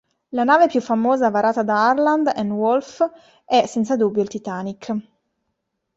La nave più famosa varata da Harland and Wolff è senza dubbio il "Titanic".